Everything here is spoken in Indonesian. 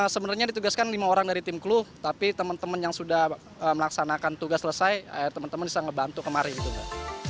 sebenarnya ditugaskan lima orang dari tim klu tapi teman teman yang sudah melaksanakan tugas selesai teman teman bisa ngebantu kemarin gitu mbak